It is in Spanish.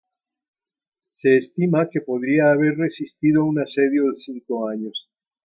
Se estima que podría haber resistido un asedio de cinco años.